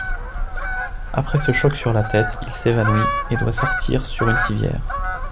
Après ce choc sur la tête, il s'évanouit et doit sortir sur une civière.